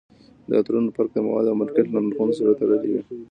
د عطرونو فرق د موادو او مارکیټ له نرخونو سره تړلی وي